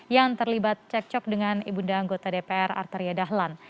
yang terlibat cekcok dengan ibunda anggota dpr arteria dahlan